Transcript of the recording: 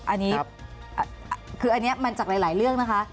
อันนี้คืออันนี้มันจากหลายเรื่องนะคะ